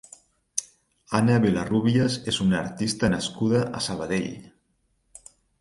Anna Vilarrubias és una artista nascuda a Sabadell.